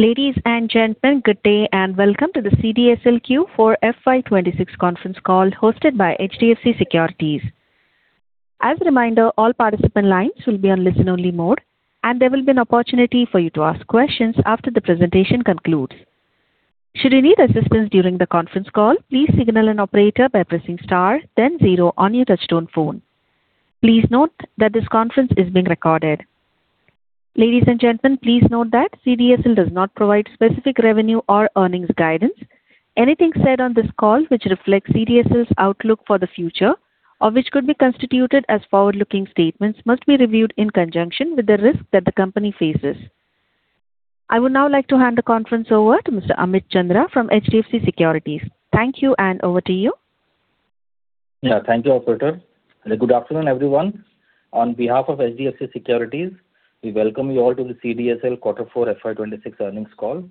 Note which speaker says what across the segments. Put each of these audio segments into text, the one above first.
Speaker 1: Ladies and gentlemen, good day, and welcome to the CDSL Q4 FY 2026 conference call hosted by HDFC Securities. As a reminder, all participant lines will be on listen-only mode, and there will be an opportunity for you to ask questions after the presentation concludes. Should you need assistance during the conference call, please signal an operator by pressing star then zero on your touch-tone phone. Please note that this conference is being recorded. Ladies and gentlemen, please note that CDSL does not provide specific revenue or earnings guidance. Anything said on this call which reflects CDSL's outlook for the future or which could be constituted as forward-looking statements must be reviewed in conjunction with the risk that the company faces. I would now like to hand the conference over to Mr. Amit Chandra from HDFC Securities. Thank you, and over to you.
Speaker 2: Yeah. Thank you, operator. Good afternoon, everyone. On behalf of HDFC Securities, we welcome you all to the CDSL Q4 FY 2026 earnings call.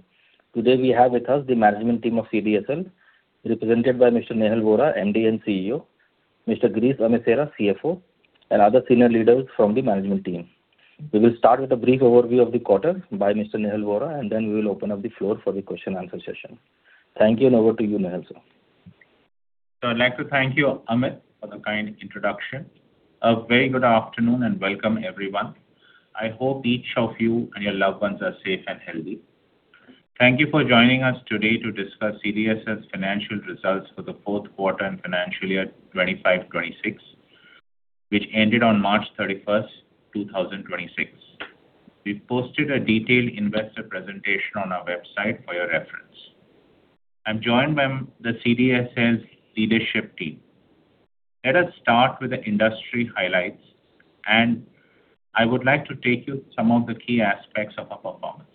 Speaker 2: Today, we have with us the management team of CDSL, represented by Mr. Nehal Vora, MD and CEO, Mr. Girish Amesara, CFO, and other senior leaders from the management team. We will start with a brief overview of the quarter by Mr. Nehal Vora, and then we will open up the floor for the question answer session. Thank you, over to you, Nehal sir.
Speaker 3: I'd like to thank you, Amit, for the kind introduction. A very good afternoon and welcome, everyone. I hope each of you and your loved ones are safe and healthy. Thank you for joining us today to discuss CDSL's financial results for the fourth quarter and financial year 2025-2026, which ended on March 31, 2026. We've posted a detailed investor presentation on our website for your reference. I'm joined by the CDSL's leadership team. Let us start with the industry highlights, and I would like to take you some of the key aspects of our performance.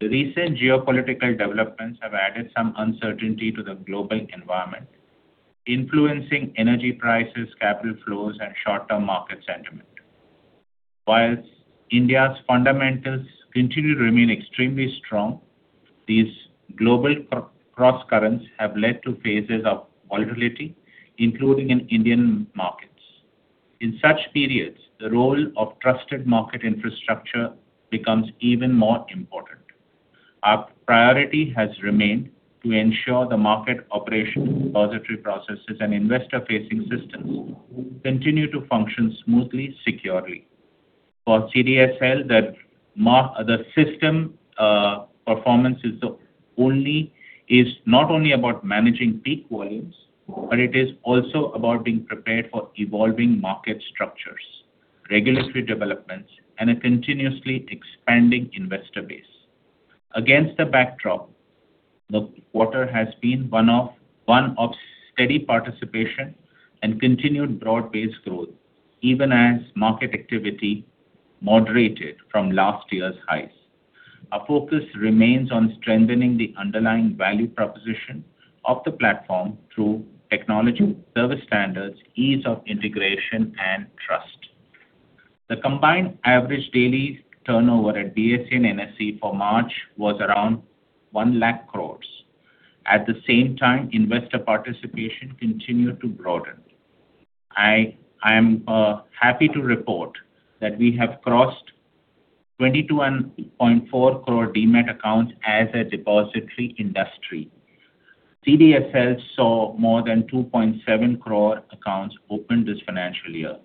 Speaker 3: The recent geopolitical developments have added some uncertainty to the global environment, influencing energy prices, capital flows, and short-term market sentiment. Whilst India's fundamentals continue to remain extremely strong, these global crosscurrents have led to phases of volatility, including in Indian markets. In such periods, the role of trusted market infrastructure becomes even more important. Our priority has remained to ensure the market operation depository processes and investor-facing systems continue to function smoothly, securely. For CDSL, the system performance is not only about managing peak volumes, but it is also about being prepared for evolving market structures, regulatory developments, and a continuously expanding investor base. Against the backdrop, the quarter has been one of steady participation and continued broad-based growth, even as market activity moderated from last year's highs. Our focus remains on strengthening the underlying value proposition of the platform through technology, service standards, ease of integration, and trust. The combined average daily turnover at BSE and NSE for March was around 1 lakh crores. At the same time, investor participation continued to broaden. I am happy to report that we have crossed 22.4 crore Demat accounts as a depository industry. CDSL saw more than 2.7 crore accounts opened this financial year,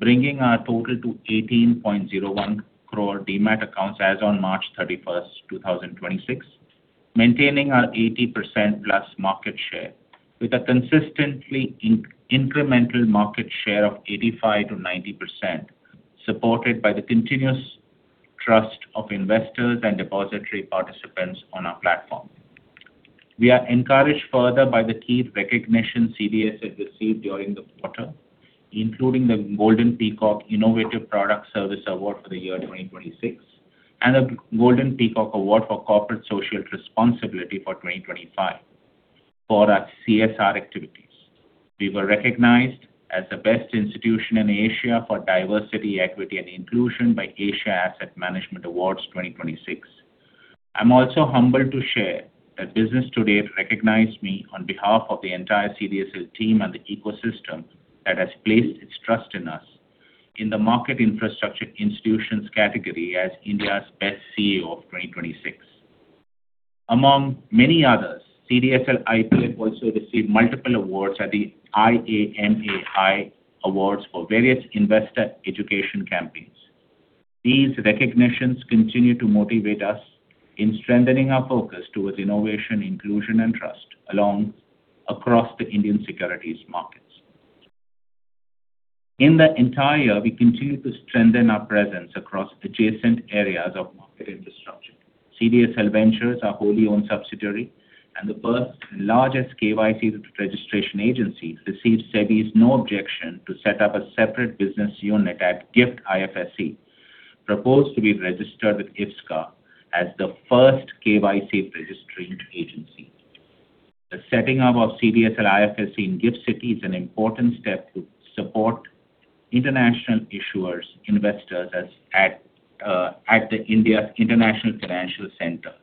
Speaker 3: bringing our total to 18.01 crore Demat accounts as on March 31, 2026, maintaining our 80%+ market share with a consistently incremental market share of 85%-90%, supported by the continuous trust of investors and depository participants on our platform. We are encouraged further by the key recognition CDSL received during the quarter, including the Golden Peacock Innovative Product-Service Award for the year 2026 and the Golden Peacock Award for Corporate Social Responsibility for 2025 for our CSR activities. We were recognized as the best institution in Asia for diversity, equity, and inclusion by Asia Asset Management Best of the Best Awards 2026. I'm also humbled to share that Business Today recognized me on behalf of the entire CDSL team and the ecosystem that has placed its trust in us in the market infrastructure institutions category as India's best CEO of 2026. Among many others, CDSL IPF also received multiple awards at the IAMAI Awards for various investor education campaigns. These recognitions continue to motivate us in strengthening our focus towards innovation, inclusion, and trust across the Indian securities markets. In the entire year, we continued to strengthen our presence across adjacent areas of market infrastructure. CDSL Ventures, our wholly owned subsidiary and the first largest KYC registration agency, received SEBI's no objection to set up a separate business unit at Gift IFSC, proposed to be registered with IFSCA as the first KYC registered agency. The setting up of CDSL IFSC in Gift City is an important step to support international issuers, investors as at the India's International Financial Centre.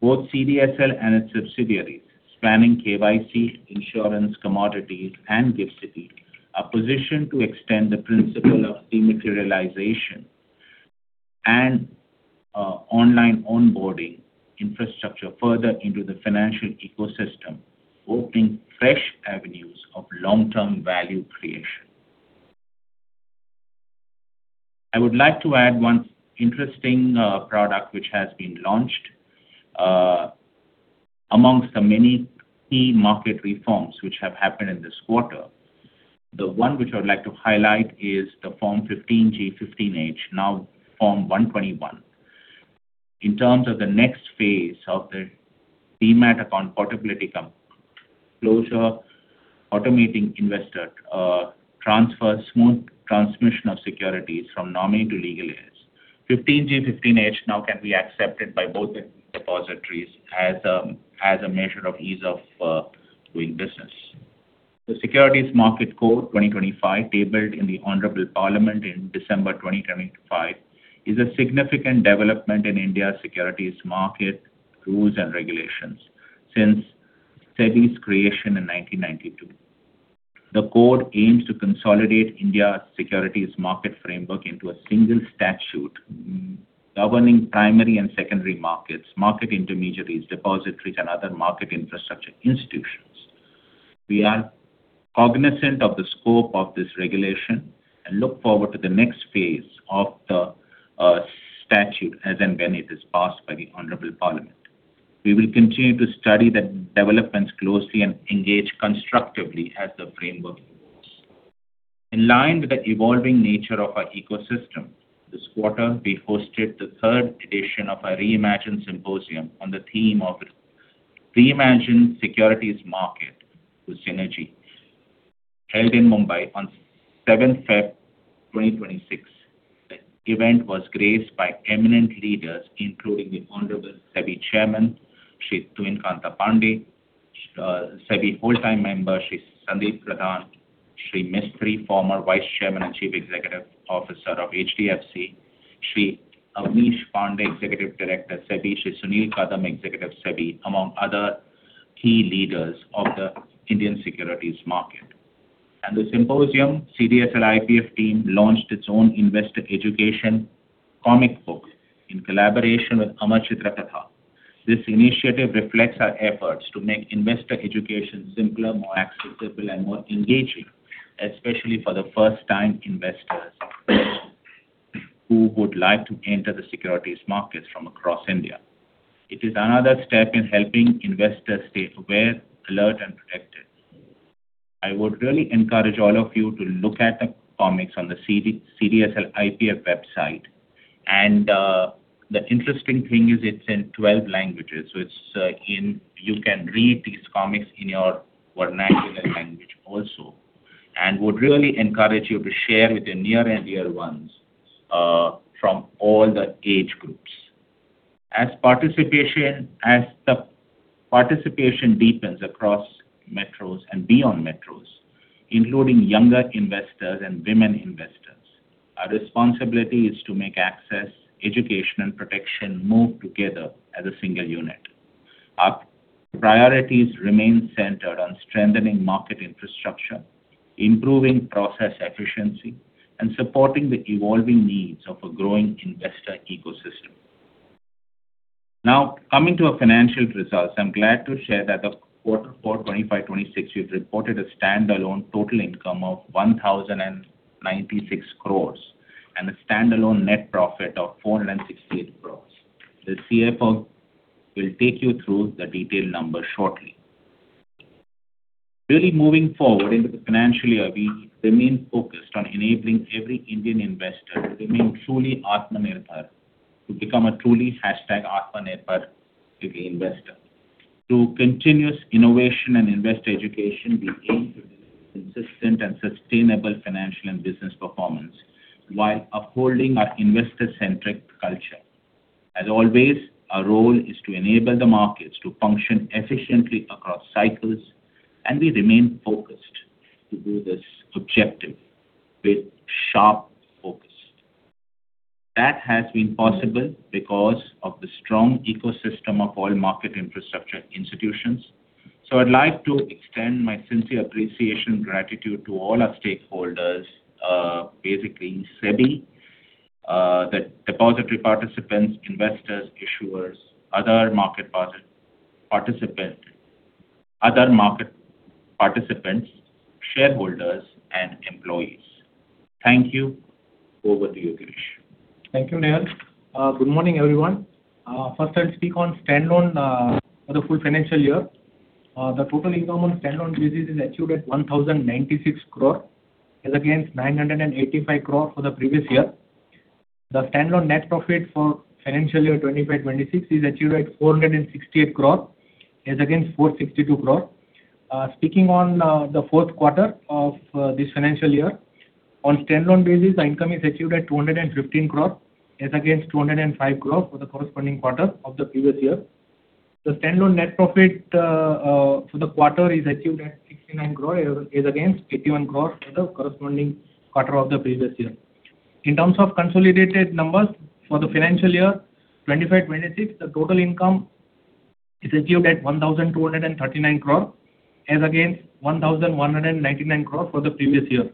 Speaker 3: Both CDSL and its subsidiaries spanning KYC, insurance, commodities, and Gift City are positioned to extend the principle of dematerialization and online onboarding infrastructure further into the financial ecosystem, opening fresh avenues of long-term value creation. I would like to add one interesting product which has been launched. Amongst the many key market reforms which have happened in this quarter, the one which I would like to highlight is the Form 15G, 15H, now Form 121. In terms of the next phase of the Demat account portability closure, automating investor transfer, smooth transmission of securities from nominee to legal heirs. Form 15G, Form 15H now can be accepted by both the depositories as a measure of ease of doing business. The Securities Markets Code, 2025 tabled in the Honorable Parliament in December 2025 is a significant development in India's securities market rules and regulations since SEBI's creation in 1992. The code aims to consolidate India's securities market framework into a single statute governing primary and secondary markets, market intermediaries, depositories, and other market infrastructure institutions. We are cognizant of the scope of this regulation and look forward to the next phase of the statute as and when it is passed by the Honorable Parliament. We will continue to study the developments closely and engage constructively as the framework evolves. In line with the evolving nature of our ecosystem, this quarter we hosted the third edition of our Reimagine Symposium on the theme of Reimagine Securities Market with Synergy. Held in Mumbai on Feb 7th, 2026, the event was graced by eminent leaders, including the Honorable SEBI Chairman, Shri Tuhin Kanta Pandey, SEBI Whole-Time Member, Shri Sandip Pradhan, Shri Keki Mistry, former Vice Chairman and Chief Executive Officer of HDFC, Shri Avneesh Pandey, Executive Director, SEBI, Shri Sunil Kadam, Executive Director, SEBI, among other key leaders of the Indian securities market. At the symposium, CDSL IPF team launched its own investor education comic book in collaboration with Amar Chitra Katha. This initiative reflects our efforts to make investor education simpler, more accessible, and more engaging, especially for the first-time investors who would like to enter the securities markets from across India. It is another step in helping investors stay aware, alert, and protected. I would really encourage all of you to look at the comics on the CDSL IPF website. The interesting thing is it's in 12 languages. It's, you can read these comics in your vernacular language also, and would really encourage you to share with your near and dear ones from all the age groups. As the participation deepens across metros and beyond metros, including younger investors and women investors, our responsibility is to make access, education, and protection move together as a single unit. Our priorities remain centered on strengthening market infrastructure, improving process efficiency, and supporting the evolving needs of a growing investor ecosystem. Now, coming to our financial results, I'm glad to share that the quarter for 2025-2026, we've reported a standalone total income of 1,096 crores and a standalone net profit of 468 crores. The CFO will take you through the detailed numbers shortly. Moving forward into the financial year, we remain focused on enabling every Indian investor to remain truly Atmanirbhar, to become a truly #Atmanirbhar investor. Through continuous innovation and investor education, we aim to deliver consistent and sustainable financial and business performance while upholding our investor-centric culture. As always, our role is to enable the markets to function efficiently across cycles, and we remain focused to do this objective with sharp focus. That has been possible because of the strong ecosystem of all market infrastructure institutions. I'd like to extend my sincere appreciation, gratitude to all our stakeholders, basically SEBI, the depository participants, investors, issuers, other market participants, shareholders, and employees. Thank you. Over to you, Girish.
Speaker 4: Thank you, Nehal. Good morning, everyone. First I'll speak on standalone for the full financial year. The total income on standalone basis is achieved at 1,096 crore, as against 985 crore for the previous year. The standalone net profit for financial year 2025-2026 is achieved at 468 crore, as against 462 crore. Speaking on the fourth quarter of this financial year. On standalone basis, the income is achieved at 215 crore, as against 205 crore for the corresponding quarter of the previous year. The standalone net profit for the quarter is achieved at 69 crore, as against 81 crore for the corresponding quarter of the previous year. In terms of consolidated numbers for the financial year 2025-2026, the total income is achieved at 1,239 crore as against 1,199 crore for the previous year.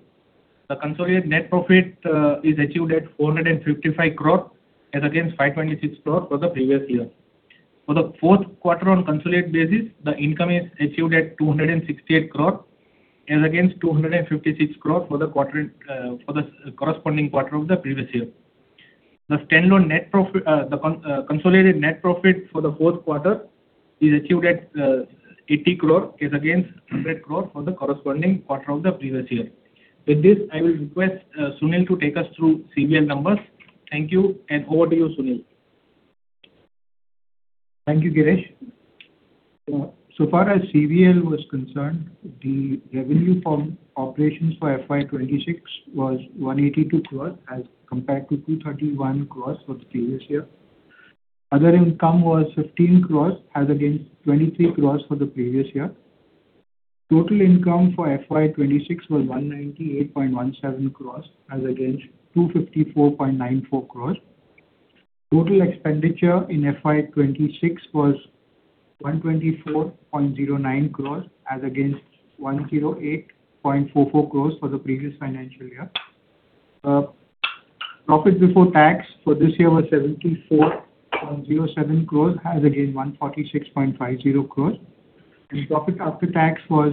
Speaker 4: The consolidated net profit is achieved at 455 crore as against 526 crore for the previous year. For the fourth quarter on consolidated basis, the income is achieved at 268 crore as against 256 crore for the quarter, for the corresponding quarter of the previous year. The consolidated net profit for the fourth quarter is achieved at 80 crore as against 100 crore for the corresponding quarter of the previous year. With this, I will request Sunil to take us through CVL numbers. Thank you, and over to you, Sunil.
Speaker 5: Thank you, Girish. So far as CVL was concerned, the revenue from operations for FY 2026 was 182 crore as compared to 231 crores for the previous year. Other income was 15 crores as against 23 crores for the previous year. Total income for FY 2026 was 198.17 crores as against 254.94 crores. Total expenditure in FY 2026 was 124.09 crores as against 108.44 crores for the previous financial year. Profit before tax for this year was 74.07 crores as against 146.50 crores. Profit after tax was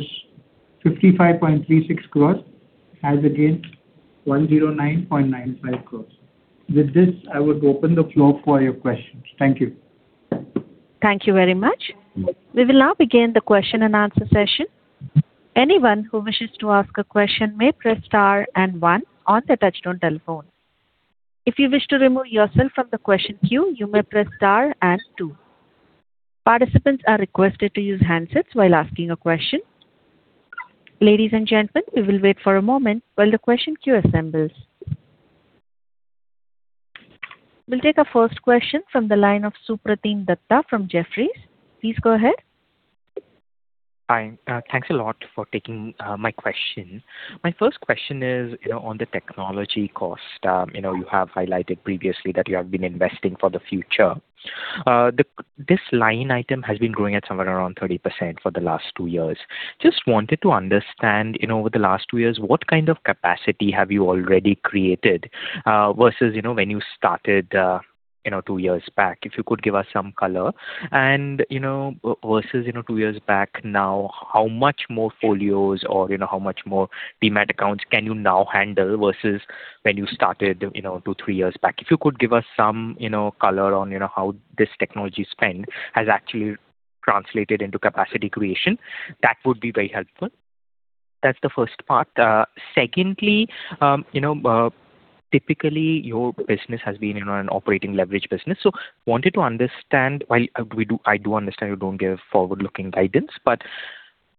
Speaker 5: 55.36 crores as against 109.95 crores. With this, I would open the floor for your questions. Thank you.
Speaker 1: Thank you very much. We will now begin the question-and-answer session. Anyone who wishes to ask a question may press star one on their touchtone telephone. If you wish to remove yourself from the question queue, you may press star hash two. Participants are requested to use handsets while asking a question. Ladies and gentlemen, we will wait for a moment while the question queue assembles. We will take our first question from the line of Supratim Datta from Jefferies. Please go ahead.
Speaker 6: Hi. Thanks a lot for taking my question. My first question is, you know, on the technology cost. You know, you have highlighted previously that you have been investing for the future. This line item has been growing at somewhere around 30% for the last two years. Just wanted to understand, you know, over the last two years, what kind of capacity have you already created versus, you know, when you started, you know, two years back? If you could give us some color. You know, versus, you know, two years back now, how much more folios or, you know, how much more Demat accounts can you now handle versus when you started, you know, two, three years back? If you could give us some, you know, color on, you know, how this technology spend has actually translated into capacity creation, that would be very helpful. That's the first part. Secondly, you know, typically your business has been, you know, an operating leverage business. Wanted to understand. While I do understand you don't give forward-looking guidance, but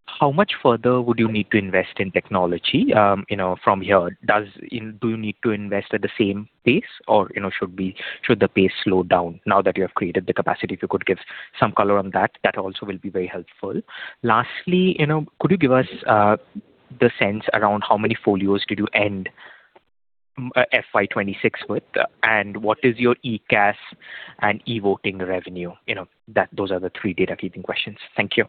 Speaker 6: how much further would you need to invest in technology, you know, from here? Do you need to invest at the same pace or, you know, should the pace slow down now that you have created the capacity? If you could give some color on that also will be very helpful. Lastly, you know, could you give us the sense around how many folios did you end FY 2026 with, and what is your e-CAS and e-voting revenue? You know, those are the three data keeping questions. Thank you.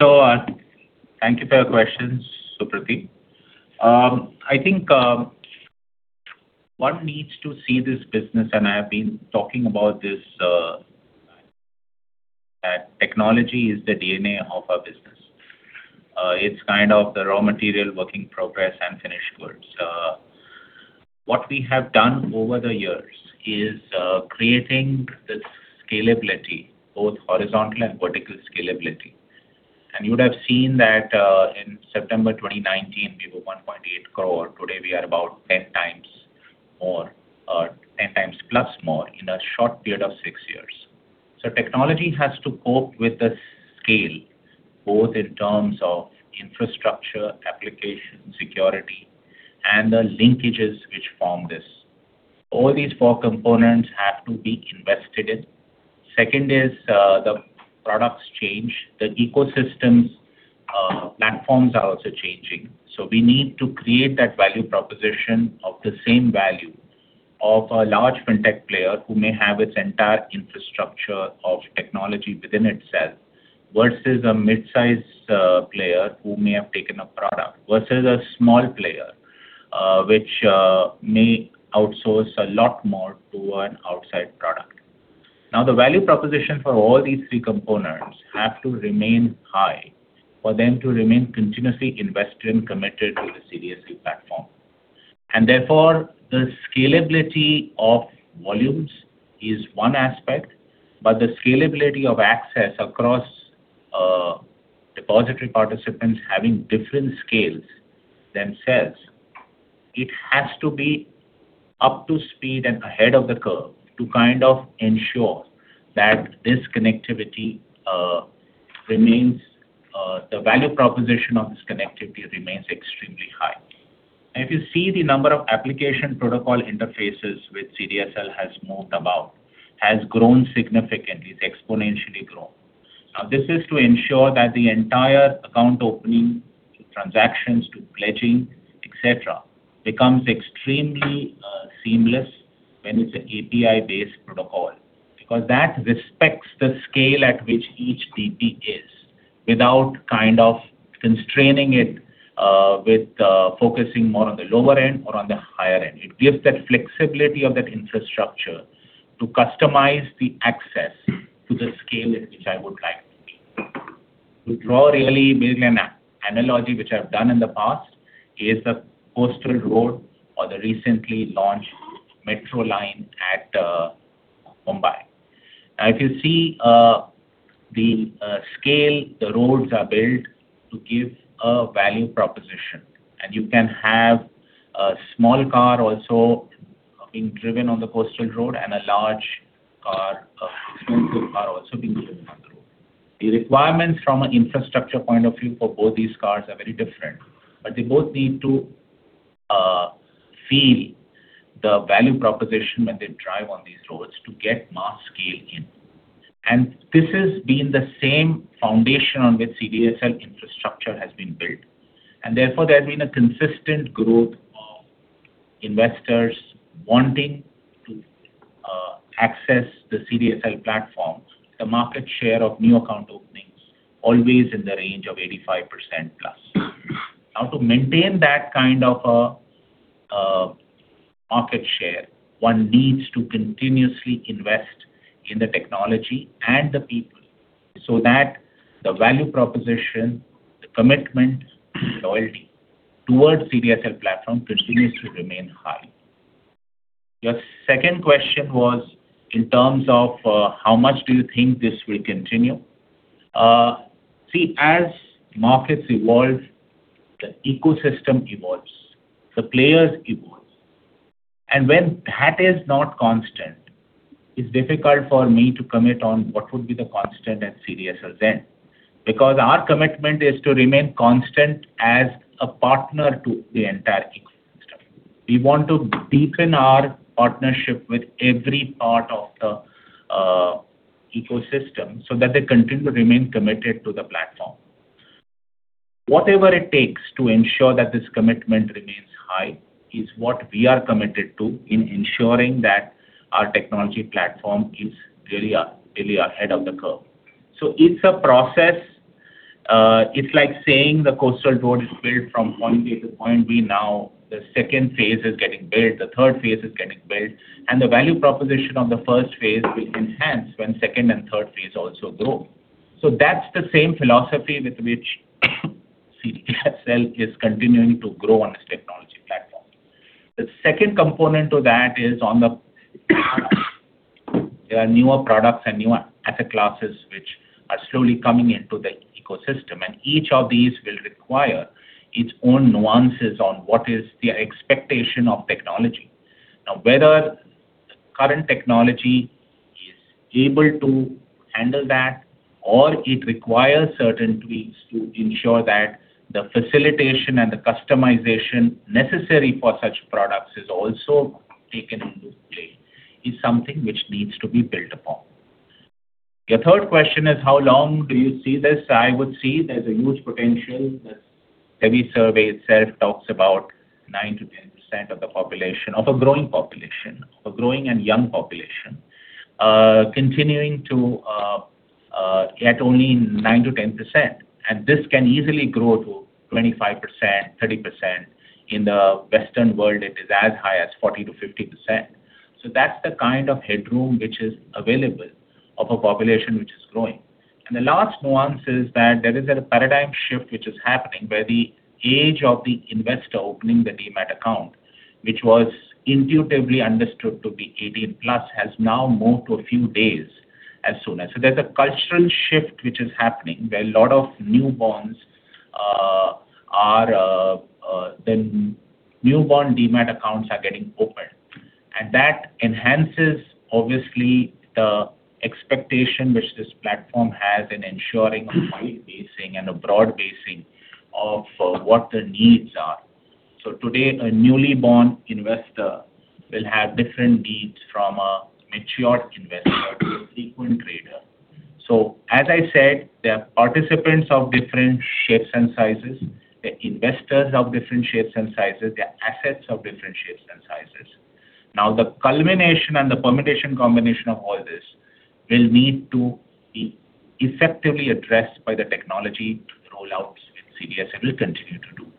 Speaker 3: Thank you for your questions, Supratim. I think one needs to see this business, and I have been talking about this, that technology is the DNA of our business. It's kind of the raw material work in progress and finished goods. What we have done over the years is creating this scalability, both horizontal and vertical scalability. You would have seen that in September 2019 we were 1.8 crore. Today, we are about 10 times more or 10 times plus more in a short period of six years. Technology has to cope with the scale, both in terms of infrastructure, application, security, and the linkages which form this. All these four components have to be invested in. Second is, the products change. The ecosystems, platforms are also changing. We need to create that value proposition of the same value of a large fintech player who may have its entire infrastructure of technology within itself versus a midsize player who may have taken a product versus a small player which may outsource a lot more to an outside product. The value proposition for all these three components have to remain high for them to remain continuously invested and committed to the CDSL platform. Therefore, the scalability of volumes is one aspect. The scalability of access across depository participants having different scales themselves, it has to be up to speed and ahead of the curve to kind of ensure that this connectivity remains the value proposition of this connectivity remains extremely high. If you see the number of application protocol interfaces which CDSL has moved about has grown significantly. It's exponentially grown. Now this is to ensure that the entire account opening to transactions to pledging, et cetera, becomes extremely seamless when it's an API-based protocol. That respects the scale at which each DP is without kind of constraining it with focusing more on the lower end or on the higher end. It gives that flexibility of that infrastructure to customize the access to the scale at which I would like it to be. To draw really maybe an analogy which I've done in the past is the coastal road or the recently launched metro line at Mumbai. If you see, the scale the roads are built to give a value proposition. You can have a small car also being driven on the coastal road and a large car, a two-wheeler car also being driven on the road. The requirements from an infrastructure point of view for both these cars are very different. They both need to feel the value proposition when they drive on these roads to get mass scale in. This has been the same foundation on which CDSL infrastructure has been built. Therefore, there's been a consistent growth of investors wanting to access the CDSL platform. The market share of new account openings always in the range of 85%+. Now, to maintain that kind of a market share, one needs to continuously invest in the technology and the people so that the value proposition, the commitment, the loyalty towards CDSL platform continues to remain high. Your second question was in terms of how much do you think this will continue? See, as markets evolve, the ecosystem evolves, the players evolve. When that is not constant, it's difficult for me to commit on what would be the constant at CDSL then. Our commitment is to remain constant as a partner to the entire ecosystem. We want to deepen our partnership with every part of the ecosystem so that they continue to remain committed to the platform. Whatever it takes to ensure that this commitment remains high is what we are committed to in ensuring that our technology platform is really, really ahead of the curve. It's a process. It's like saying the coastal road is built from point A to point B now. The second phase is getting built, the third phase is getting built, and the value proposition on the first phase will enhance when second and third phase also grow. That's the same philosophy with which CDSL is continuing to grow on its technology platform. The second component to that is on the products. There are newer products and newer asset classes which are slowly coming into the ecosystem, and each of these will require its own nuances on what is the expectation of technology. Now, whether the current technology is able to handle that, or it requires certain tweaks to ensure that the facilitation and the customization necessary for such products is also taken into play, is something which needs to be built upon. Your third question is how long do you see this? I would see there's a huge potential. The SEBI survey itself talks about 9%-10% of the population, of a growing population, of a growing and young population, continuing to, at only 9%-10%. This can easily grow to 25%, 30%. In the Western world, it is as high as 40%-50%. That's the kind of headroom which is available of a population which is growing. The last nuance is that there is a paradigm shift which is happening, where the age of the investor opening the Demat account, which was intuitively understood to be 18+, has now moved to a few days as soon as. There's a cultural shift which is happening, where a lot of newborns, then newborn Demat accounts are getting opened. That enhances obviously the expectation which this platform has in ensuring a wide basing and a broad basing of what the needs are. Today, a newly born investor will have different needs from a mature investor to a frequent trader. As I said, there are participants of different shapes and sizes. There are investors of different shapes and sizes. There are assets of different shapes and sizes. Now the culmination and the permutation combination of all this will need to be effectively addressed by the technology rollouts which CDSL will continue to do.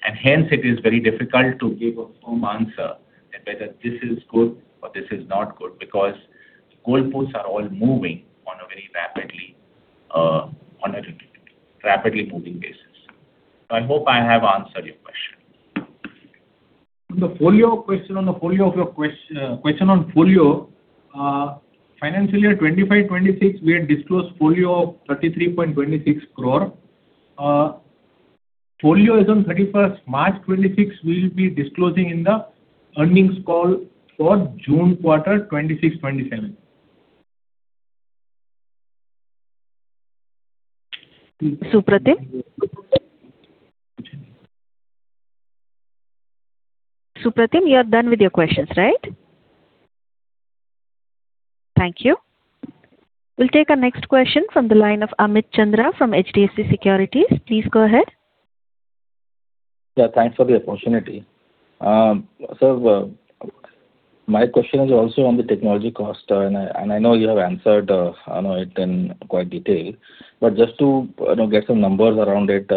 Speaker 3: Hence, it is very difficult to give a firm answer on whether this is good or this is not good, because goalposts are all moving on a very rapidly, on a rapidly moving basis. I hope I have answered your question.
Speaker 4: The folio question on the folio of your question on folio. Financial year 2025, 2026, we had disclosed folio of 33.26 crore. Folio as on March 31st, 2026, we'll be disclosing in the earnings call for June quarter 2026/2027.
Speaker 1: Supratim? Supratim, you are done with your questions, right? Thank you. We'll take our next question from the line of Amit Chandra from HDFC Securities. Please go ahead.
Speaker 2: Yeah, thanks for the opportunity. My question is also on the technology cost, and I know you have answered, I know it in quite detail. Just to, you know, get some numbers around it,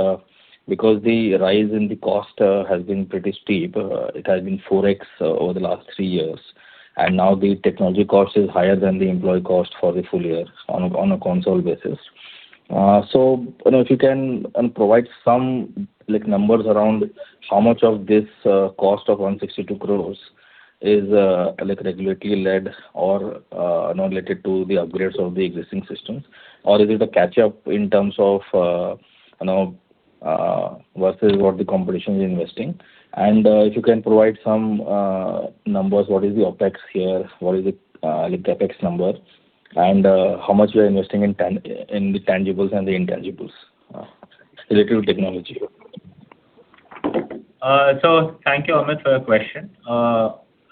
Speaker 2: because the rise in the cost has been pretty steep. It has been 4x over the last three years, and now the technology cost is higher than the employee cost for the full year on a console basis. You know, if you can provide some, like, numbers around how much of this cost of 162 crores is like regulatory-led or, you know, related to the upgrades of the existing systems? Or is it a catch-up in terms of, you know, versus what the competition is investing? If you can provide some numbers, what is the OpEx here? What is the like, the OpEx number? How much you are investing in the tangibles and the intangibles related to technology?
Speaker 3: Thank you, Amit, for your question.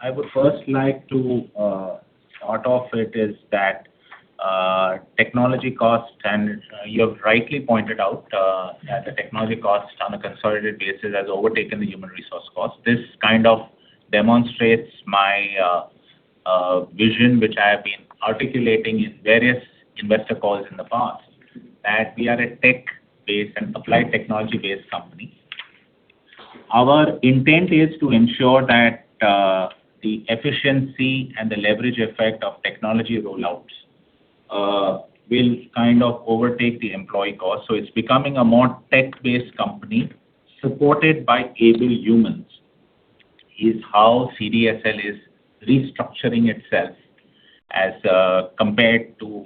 Speaker 3: I would first like to start off it is that technology costs, and you have rightly pointed out that the technology costs on a consolidated basis has overtaken the human resource cost. This kind of demonstrates my vision, which I have been articulating in various investor calls in the past, that we are a tech-based and applied technology-based company. Our intent is to ensure that the efficiency and the leverage effect of technology rollouts will kind of overtake the employee cost. It's becoming a more tech-based company supported by able humans, is how CDSL is restructuring itself as compared to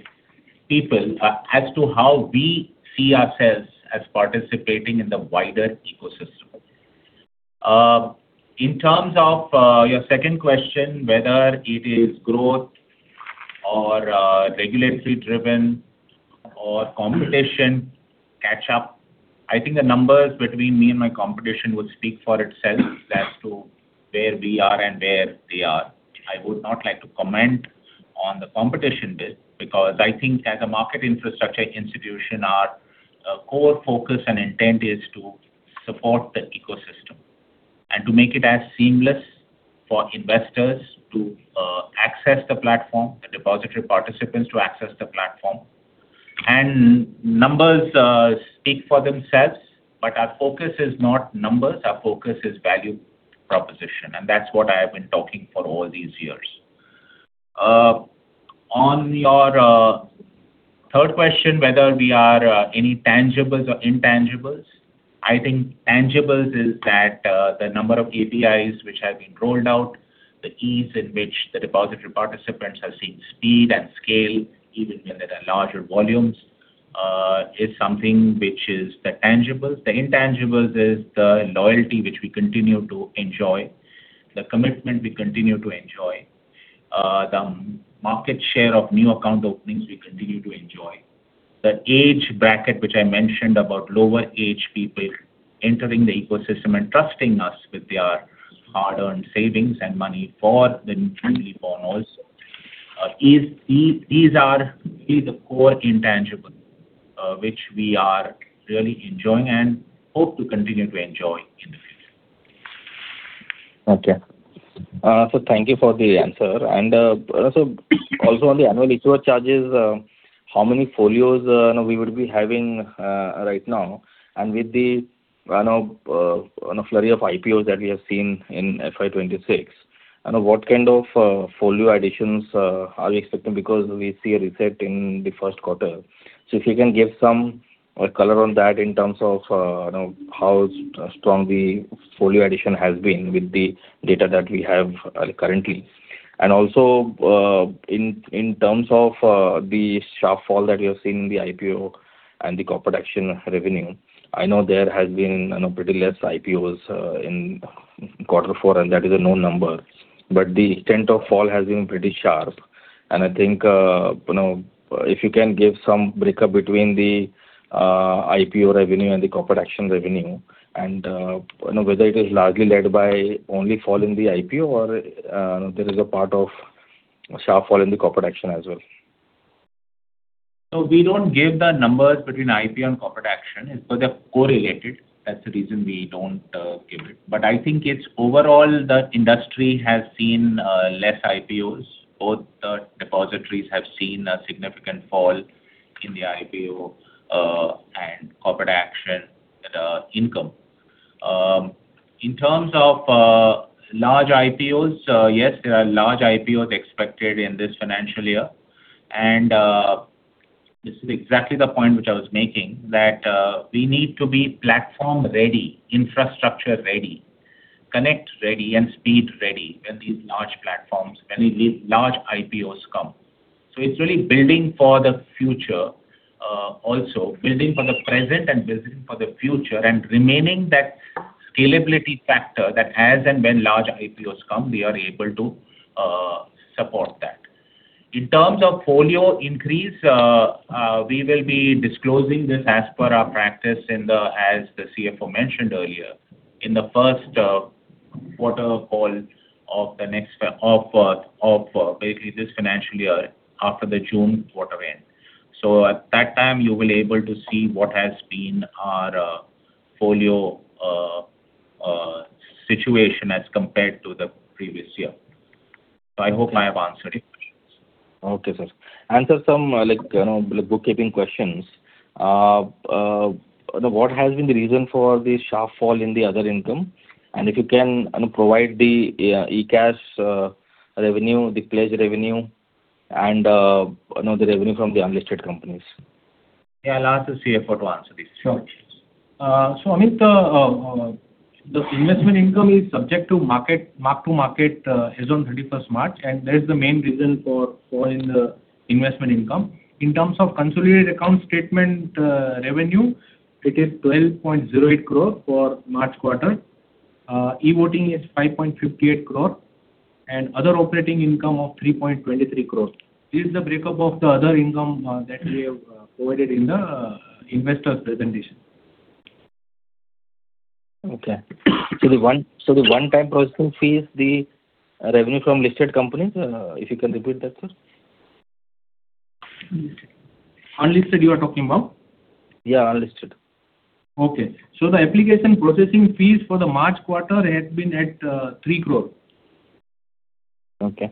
Speaker 3: people as to how we see ourselves as participating in the wider ecosystem. In terms of your second question, whether it is growth or regulatory-driven or competition catch-up, I think the numbers between me and my competition would speak for itself as to where we are and where they are. I would not like to comment on the competition bit because I think as a market infrastructure institution, our core focus and intent is to support the ecosystem and to make it as seamless for investors to access the platform, the depository participants to access the platform. Numbers speak for themselves, but our focus is not numbers. Our focus is value proposition, that's what I have been talking for all these years. On your third question, whether there are any tangibles or intangibles, I think the tangibles are that the number of APIs which have been rolled out, the ease in which the depository participants have seen speed and scale, even when there are larger volumes, is something which is the tangibles. The intangibles are the loyalty which we continue to enjoy, the commitment we continue to enjoy, the market share of new account openings we continue to enjoy. The age bracket which I mentioned about lower age people entering the ecosystem and trusting us with their hard-earned savings and money for the maturity bonus, these are really the core intangibles, which we are really enjoying and hope to continue to enjoy in the future.
Speaker 2: Thank you for the answer. Also on the annual issue of charges, how many folios, you know, we would be having right now? With the, you know, you know, flurry of IPOs that we have seen in FY 2026, you know, what kind of folio additions are we expecting? Because we see a reset in the first quarter. If you can give some color on that in terms of, you know, how strong the folio addition has been with the data that we have currently. Also, in terms of the sharp fall that we have seen in the IPO and the corporate action revenue. I know there has been, you know, pretty less IPOs in quarter four, and that is a known number. The extent of fall has been pretty sharp. I think, you know, if you can give some breakup between the IPO revenue and the corporate action revenue and, you know, whether it is largely led by only fall in the IPO or there is a part of sharp fall in the corporate action as well.
Speaker 3: We don't give the numbers between IPO and corporate action because they're correlated. That's the reason we don't give it. I think it's overall the industry has seen less IPOs. Both the depositories have seen a significant fall in the IPO and corporate action income. In terms of large IPOs, yes, there are large IPOs expected in this financial year. This is exactly the point which I was making, that we need to be platform-ready, infrastructure-ready, connect-ready, and speed-ready when these large IPOs come. It's really building for the future also. Building for the present and building for the future and remaining that scalability factor that as and when large IPOs come, we are able to support that. In terms of folio increase, we will be disclosing this as per our practice as the CFO mentioned earlier. In the first quarter call of this financial year after the June quarter end. At that time you will be able to see what has been our folio situation as compared to the previous year. I hope I have answered your questions.
Speaker 2: Okay, sir. Sir, some, like, you know, bookkeeping questions. What has been the reason for the sharp fall in the other income? If you can provide the e-CAS revenue, the pledge revenue, and, you know, the revenue from the unlisted companies.
Speaker 3: Yeah, I'll ask the CFO to answer these questions.
Speaker 4: Amit, the investment income is subject to mark-to-market as on March 31st, and that is the main reason for fall in the investment income. In terms of Consolidated Account Statement revenue, it is 12.08 crore for March quarter. e-Voting is 5.58 crore, and other operating income of 3.23 crore. This is the breakup of the other income that we have provided in the investor's presentation.
Speaker 2: Okay. The one-time processing fees, the revenue from listed companies, if you can repeat that, sir?
Speaker 4: Unlisted you are talking about?
Speaker 2: Yeah, unlisted.
Speaker 4: Okay. The application processing fees for the March quarter has been at, 3 crore.
Speaker 2: Okay.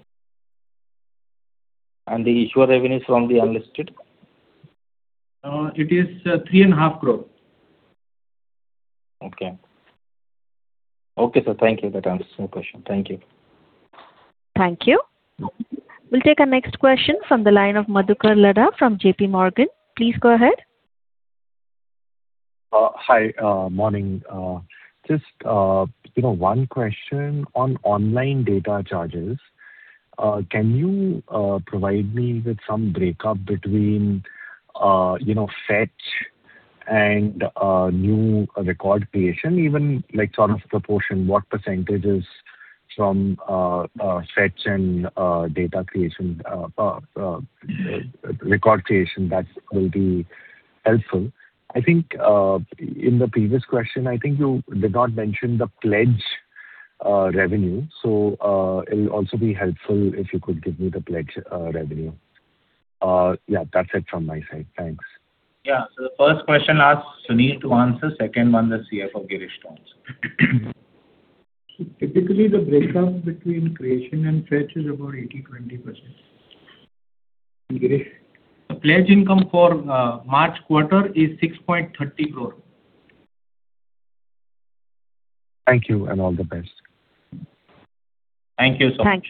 Speaker 2: The issuer revenues from the unlisted?
Speaker 4: It is INR 3.5 crore.
Speaker 2: Okay. Okay, sir. Thank you. That answers my question. Thank you.
Speaker 1: Thank you. We will take our next question from the line of Madhukar Ladha from JPMorgan. Please go ahead.
Speaker 7: Hi. Morning. Just, you know, one question on online data charges. Can you provide me with some breakup between, you know, fetch and new record creation? Even like sort of proportion, what percentages from fetch and data creation, record creation? That will be helpful. I think in the previous question, I think you did not mention the pledge revenue. It'll also be helpful if you could give me the pledge revenue. Yeah, that's it from my side. Thanks.
Speaker 3: Yeah. The first question ask Sunil to answer. Second one the CFO, Girish, to answer.
Speaker 5: Typically, the breakup between creation and fetch is about 80%, 20%.
Speaker 3: Girish?
Speaker 4: The pledge income for March quarter is 6.30 crore.
Speaker 7: Thank you, and all the best.
Speaker 3: Thank you so much.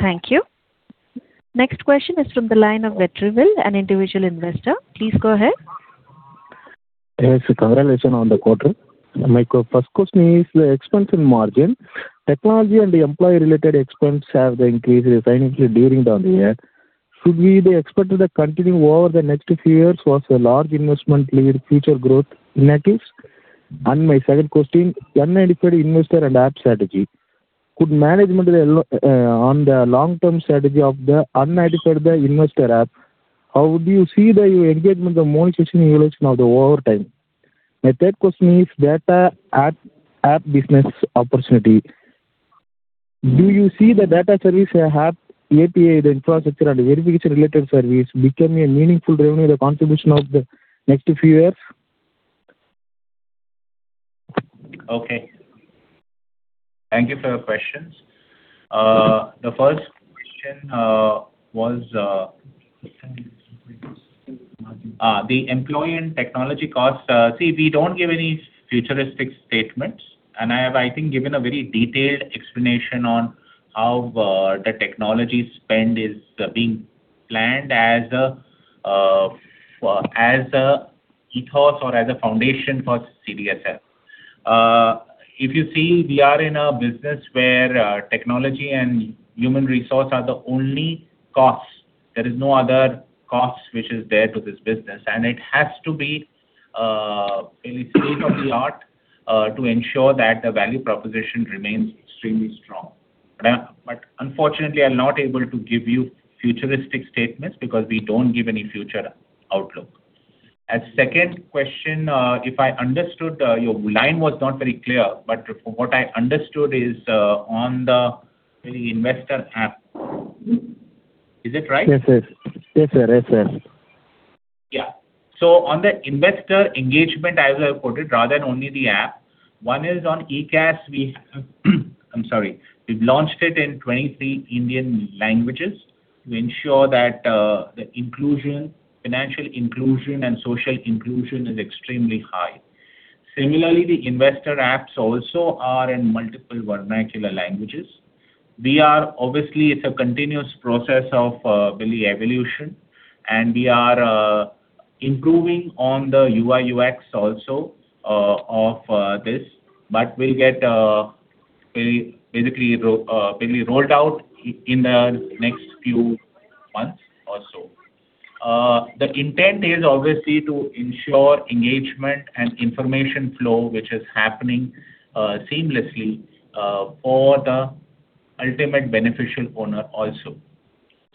Speaker 1: Thank you. Next question is from the line of Vetrivel, an individual investor. Please go ahead.
Speaker 8: Yes. Congratulations on the quarter. My first question is the expansion margin. Technology and employee-related expense have increased significantly during the year. Should they expect to continue over the next few years was a large investment lead future growth initiatives? My second question, unidentified investor and app strategy. Could management on the long-term strategy of the unidentified investor app, how would you see the engagement and monetization evolution of the over time? My third question is data app business opportunity. Do you see the data service app API, the infrastructure and verification related service becoming a meaningful revenue contribution of the next few years?
Speaker 3: Okay. Thank you for your questions. The first question was the employee and technology costs. See, we don't give any futuristic statements, and I have, I think, given a very detailed explanation on how the technology spend is being planned as a ethos or as a foundation for CDSL. If you see, we are in a business where technology and human resource are the only costs. There is no other costs which is there to this business, and it has to be really state of the art to ensure that the value proposition remains extremely strong. Unfortunately, I'm not able to give you futuristic statements because we don't give any future outlook. Second question, if I understood, your line was not very clear, but from what I understood is, on the investor app. Is it right?
Speaker 8: Yes, sir. Yes, sir. Yes, sir.
Speaker 3: On the investor engagement, as I have put it, rather than only the app, one is on e-CAS. We've launched it in 23 Indian languages to ensure that the inclusion, financial inclusion and social inclusion is extremely high. Similarly, the investor apps also are in multiple vernacular languages. Obviously, it's a continuous process of really evolution, and we are improving on the UI/UX also of this. we'll get very basically really rolled out in the next few months or so. The intent is obviously to ensure engagement and information flow, which is happening seamlessly for the ultimate beneficial owner also.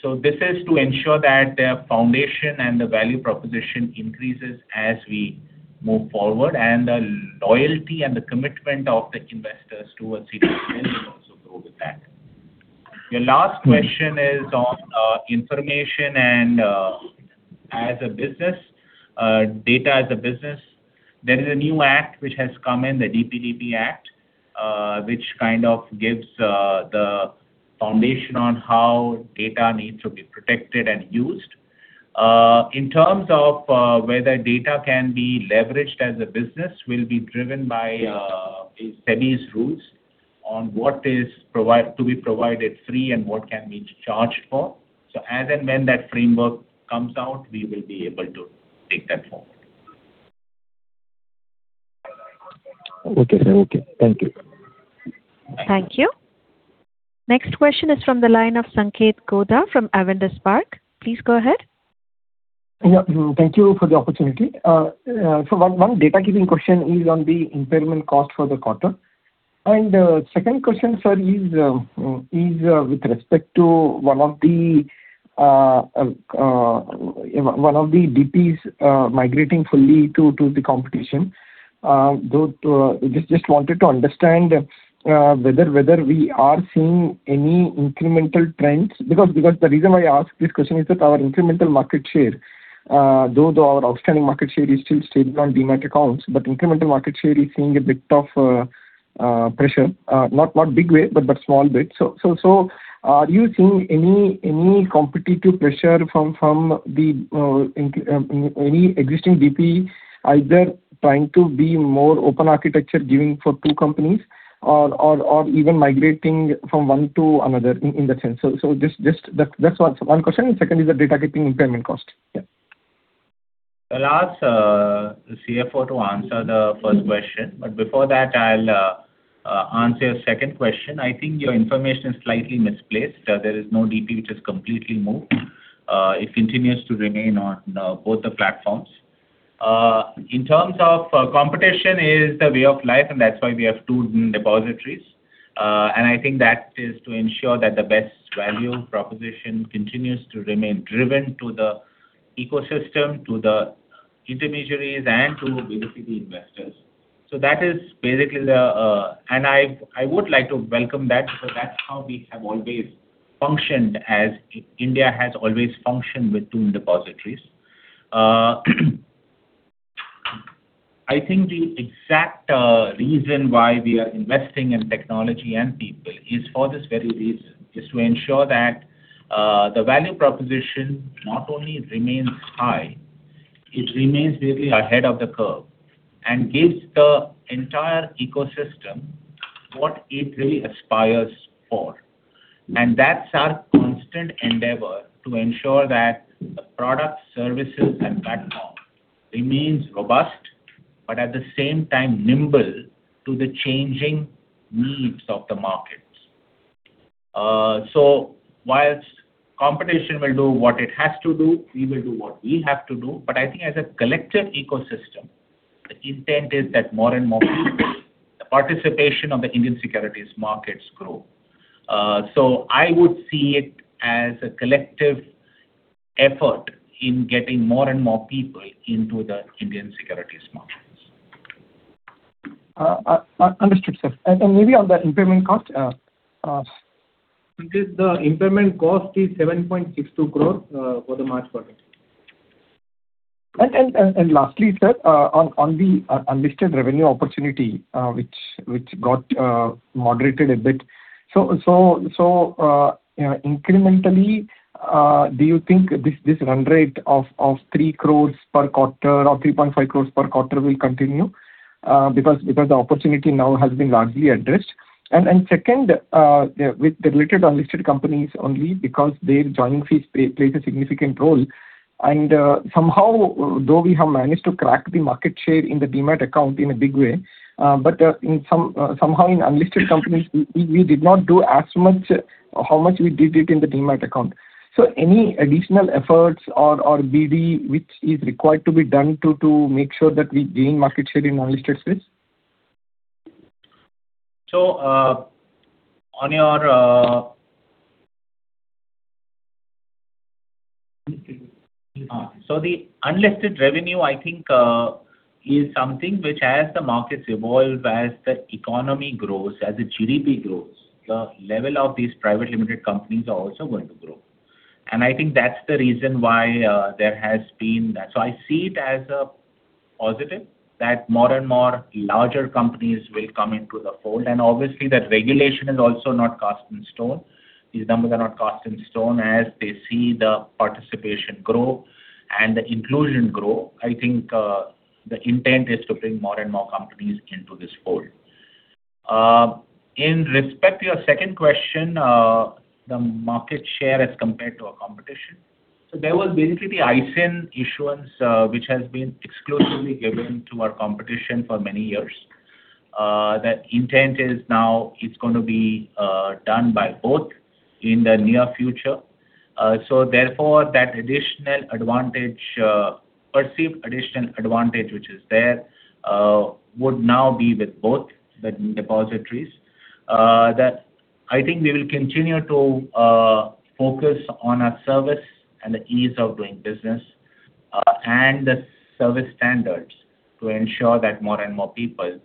Speaker 3: This is to ensure that their foundation and the value proposition increases as we move forward, and the loyalty and the commitment of the investors towards CDSL will also grow with that. Your last question is on information and as a business, data as a business. There is a new act which has come in, the DPDP Act, which kind of gives the foundation on how data needs to be protected and used. In terms of whether data can be leveraged as a business will be driven by SEBI's rules on what is to be provided free and what can be charged for. As and when that framework comes out, we will be able to take that forward.
Speaker 8: Okay, sir. Okay. Thank you.
Speaker 1: Thank you. Next question is from the line of Sanketh Godha from Avendus Spark. Please go ahead.
Speaker 9: Yeah. Thank you for the opportunity. One data-keeping question is on the impairment cost for the quarter. Second question, sir, is with respect to one of the DPs migrating fully to the competition. Just wanted to understand whether we are seeing any incremental trends. The reason why I ask this question is that our incremental market share, though our outstanding market share is still stable on Demat accounts, but incremental market share is seeing a bit of pressure. Not big way, but small bit. Are you seeing any competitive pressure from any existing DP either trying to be more open architecture dealing for two companies or even migrating from one to another in that sense? Just that's one question. Second is the data-keeping impairment cost.
Speaker 3: I'll ask the CFO to answer the first question. Before that, I'll answer your second question. I think your information is slightly misplaced. There is no DP which has completely moved. It continues to remain on both the platforms. In terms of competition is the way of life, and that's why we have two depositories. I think that is to ensure that the best value proposition continues to remain driven to the ecosystem, to the intermediaries and to basically investors. That is basically the. I would like to welcome that because that's how we have always functioned as India has always functioned with two depositories. I think the exact reason why we are investing in technology and people is for this very reason, is to ensure that the value proposition not only remains high, it remains really ahead of the curve and gives the entire ecosystem what it really aspires for. That's our constant endeavor to ensure that the products, services and platform remains robust, but at the same time nimble to the changing needs of the markets. Whilst competition will do what it has to do, we will do what we have to do. I think as a collective ecosystem, the intent is that more and more people, the participation of the Indian securities markets grow. I would see it as a collective effort in getting more and more people into the Indian securities markets.
Speaker 9: Understood, sir. maybe on the impairment cost.
Speaker 4: Sanketh, the impairment cost is 7.62 crore for the March quarter.
Speaker 9: Lastly, sir, on the unlisted revenue opportunity, which got moderated a bit. You know, incrementally, do you think this run rate of 3 crores per quarter or 3.5 crores per quarter will continue? Because the opportunity now has been largely addressed. Second, with the related unlisted companies only because their joining fees plays a significant role. Somehow, though we have managed to crack the market share in the Demat account in a big way, but somehow in unlisted companies we did not do as much how much we did it in the Demat account. Any additional efforts or BD which is required to be done to make sure that we gain market share in unlisted space?
Speaker 3: The unlisted revenue, I think, is something which as the markets evolve, as the economy grows, as the GDP grows, the level of these private limited companies are also going to grow. I think that's the reason why there has been that. I see it as a positive that more and more larger companies will come into the fold. Obviously, that regulation is also not cast in stone. These numbers are not cast in stone. As they see the participation grow and the inclusion grow, I think, the intent is to bring more and more companies into this fold. In respect to your second question, the market share as compared to our competition. There was basically the ISIN issuance, which has been exclusively given to our competition for many years. That intent is now it's gonna be done by both in the near future. Therefore, that additional advantage, perceived additional advantage which is there, would now be with both the depositories. That I think we will continue to focus on our service and the ease of doing business and the service standards to ensure that more and more people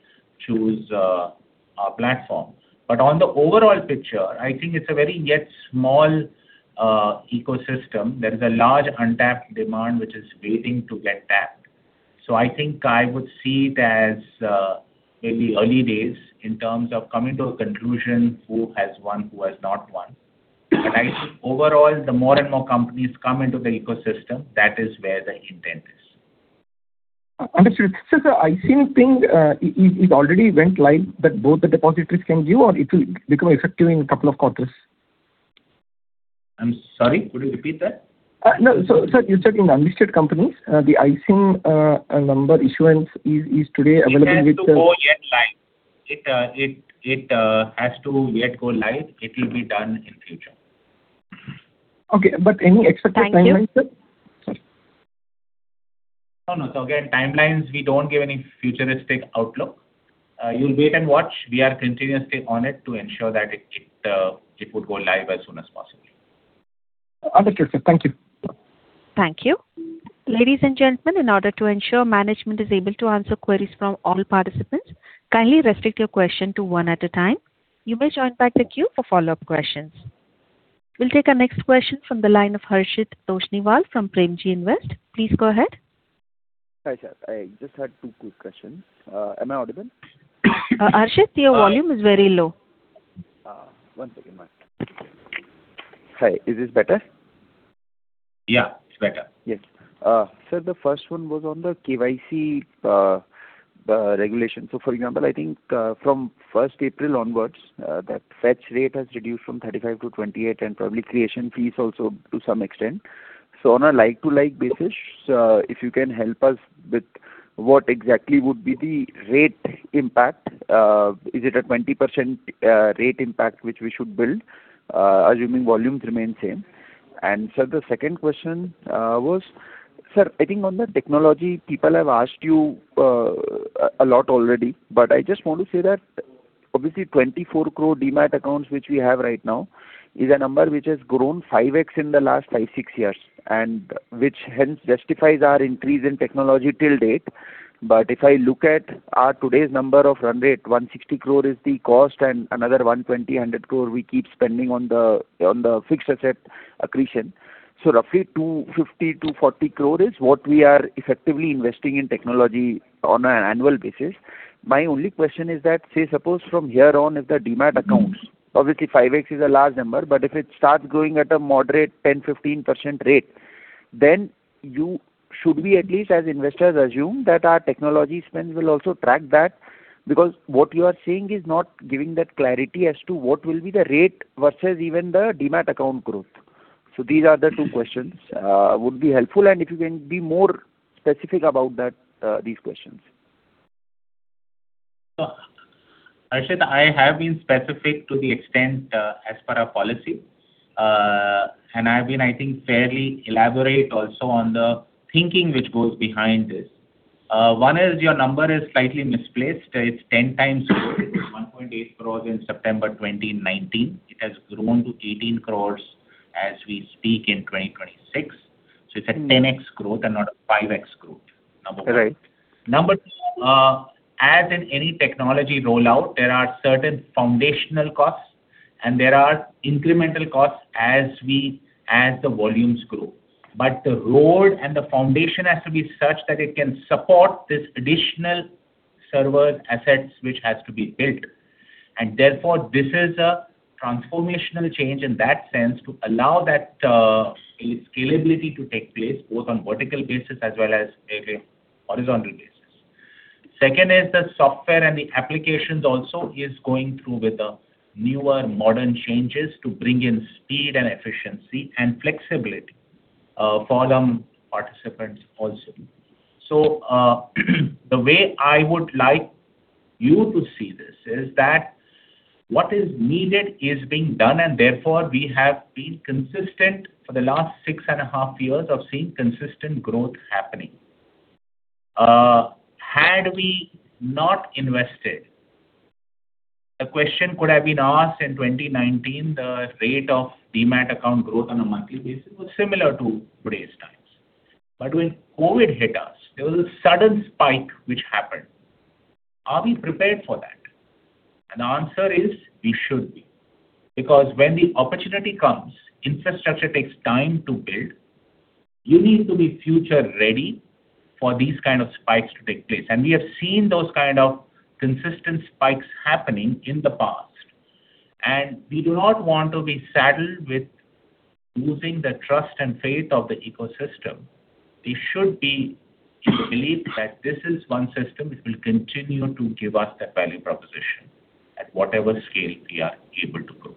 Speaker 3: choose our platform. On the overall picture, I think it's a very yet small ecosystem. There is a large untapped demand which is waiting to get tapped. I think I would see it as maybe early days in terms of coming to a conclusion who has won, who has not won. I think overall, the more and more companies come into the ecosystem, that is where the intent is.
Speaker 9: Understood. Sir, ISIN thing, it already went live that both the depositories can give or it will become effective in a couple of quarters?
Speaker 3: I'm sorry. Could you repeat that?
Speaker 9: No. Sir, you said in unlisted companies, the ISIN number issuance is today available with-
Speaker 3: It has to go yet live. It has to yet go live. It will be done in future.
Speaker 9: Okay. Any expected timelines, sir?
Speaker 1: Thank you.
Speaker 3: Oh, no. Again, timelines, we don't give any futuristic outlook. You'll wait and watch. We are continuously on it to ensure that it would go live as soon as possible.
Speaker 9: Understood, sir. Thank you.
Speaker 1: Thank you. Ladies and gentlemen, in order to ensure management is able to answer queries from all participants, kindly restrict your question to one at a time. You may join back the queue for follow-up questions. We will take our next question from the line of Harshit Toshniwal from Premji Invest. Please go ahead.
Speaker 10: Hi, sir. I just had two quick questions. Am I audible?
Speaker 1: Harshit, your volume is very low.
Speaker 10: One second, ma'am. Hi, is this better?
Speaker 3: Yeah, it's better.
Speaker 10: Yes. Sir, the first one was on the KYC regulation. For example, I think, from first April onwards, that fetch rate has reduced from 35%-28% and probably creation fees also to some extent. On a like-to-like basis, if you can help us with what exactly would be the rate impact. Is it a 20% rate impact which we should build, assuming volumes remain same? Sir, the second question was, sir, I think on the technology people have asked you a lot already, but I just want to say that obviously 24 crore Demat accounts which we have right now is a number which has grown 5x in the last five, six years, and which hence justifies our increase in technology till date. If I look at our today's number of run rate, 160 crore is the cost and another 120, 100 crore we keep spending on the fixed asset accretion. Roughly 250 crore-240 crore is what we are effectively investing in technology on an annual basis. My only question is that, say suppose from here on if the Demat accounts, obviously 5x is a large number, but if it starts growing at a moderate 10%, 15% rate, then should we at least as investors assume that our technology spends will also track that? What you are saying is not giving that clarity as to what will be the rate versus even the Demat account growth. These are the two questions, would be helpful and if you can be more specific about that, these questions.
Speaker 3: Harshit, I have been specific to the extent as per our policy. I've been, I think, fairly elaborate also on the thinking which goes behind this. One is your number is slightly misplaced. It's 10x growth. It was 1.8 crores in September 2019. It has grown to 18 crores as we speak in 2026. It's a 10x growth and not a 5x growth number.
Speaker 10: Right.
Speaker 3: Number two, as in any technology rollout, there are certain foundational costs and there are incremental costs as the volumes grow. The road and the foundation has to be such that it can support this additional server assets which has to be built. Therefore, this is a transformational change in that sense to allow that scalability to take place both on vertical basis as well as a horizontal basis. Second is the software and the applications also is going through with the newer modern changes to bring in speed and efficiency and flexibility for the participants also. The way I would like you to see this is that what is needed is being done, and therefore we have been consistent for the last six and half years of seeing consistent growth happening. Had we not invested, the question could have been asked in 2019, the rate of Demat account growth on a monthly basis was similar to today's times. When COVID hit us, there was a sudden spike which happened. Are we prepared for that? The answer is we should be. When the opportunity comes, infrastructure takes time to build. You need to be future ready for these kind of spikes to take place. We have seen those kind of consistent spikes happening in the past, and we do not want to be saddled with losing the trust and faith of the ecosystem. To believe that this is one system which will continue to give us that value proposition at whatever scale we are able to.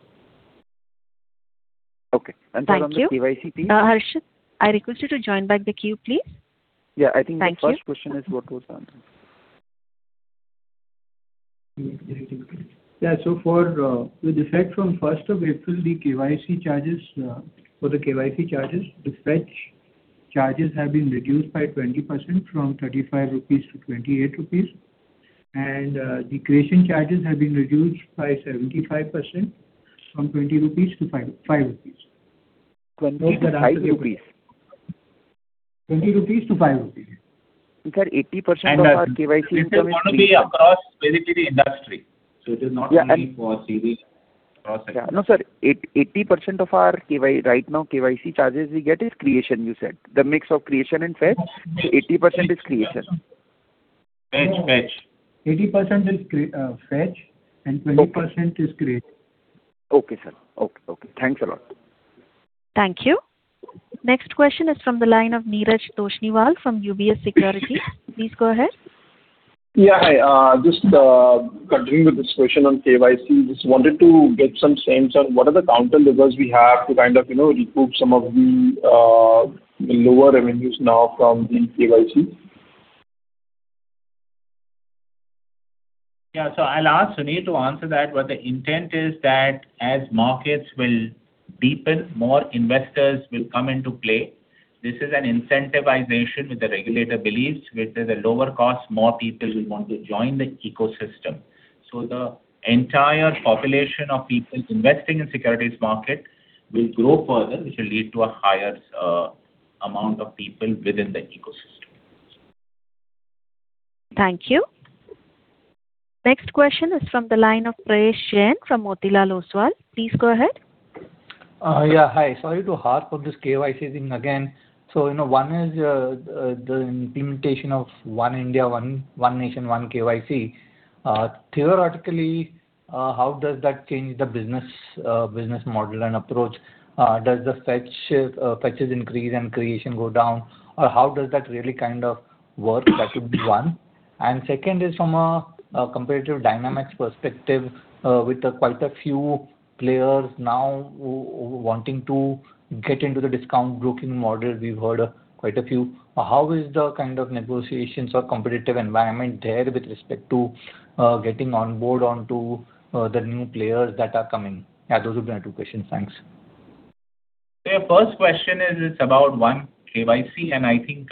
Speaker 10: Okay.
Speaker 1: Thank you.
Speaker 10: From the KYC team.
Speaker 1: Harshit, I request you to join back the queue, please.
Speaker 10: Yeah.
Speaker 1: Thank you.
Speaker 10: The first question is what was answered.
Speaker 5: Yeah, so for, with effect from first of April the KYC charges, for the KYC charges, the fetch charges have been reduced by 20% from 35-28 rupees. The creation charges have been reduced by 75% from 20-5 rupees. 20-5
Speaker 10: rupees.
Speaker 5: INR 20-INR 5.
Speaker 10: Sir, 80% of our KYC income.
Speaker 3: It is gonna be across basically industry.
Speaker 5: Yeah.
Speaker 10: Only for CDSL or Security.
Speaker 5: Yeah. No, sir. 80% of our right now KYC charges we get is creation you said. The mix of creation and fetch. 80% is creation.
Speaker 10: Fetch, fetch.
Speaker 5: 80% is fetch and 20% is create.
Speaker 10: Okay, sir. Okay. Thanks a lot.
Speaker 1: Thank you. Next question is from the line of Neeraj Toshniwal from UBS Securities. Please go ahead.
Speaker 11: Yeah. Hi. Just continuing with this question on KYC. Just wanted to get some sense on what are the counter levers we have to kind of, you know, recoup some of the lower revenues now from the KYC.
Speaker 3: Yeah. I'll ask Sunil to answer that. The intent is that as markets will deepen, more investors will come into play. This is an incentivization which the regulator believes with the lower cost, more people will want to join the ecosystem. The entire population of people investing in securities market will grow further, which will lead to a higher amount of people within the ecosystem.
Speaker 1: Thank you. Next question is from the line of Prayesh Jain from Motilal Oswal. Please go ahead.
Speaker 12: Yeah. Hi. Sorry to harp on this KYC thing again. You know, one is the implementation of One Nation, One KYC. Theoretically, how does that change the business model and approach? Does the fetch fetches increase and creation go down? How does that really kind of work? That would be one. Second is from a competitive dynamics perspective, with quite a few players now wanting to get into the discount broking model. We've heard quite a few. How is the kind of negotiations or competitive environment there with respect to getting on board onto the new players that are coming? Yeah, those would be my two questions. Thanks.
Speaker 3: Your first question is about one KYC, and I think